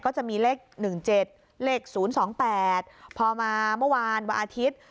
ก็จะมีเลขหนึ่งเจ็ดเลขศูนย์สองแปดพอมาเมื่อวานวันอาทิตย์